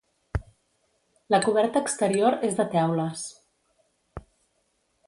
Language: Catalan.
La coberta exterior és de teules.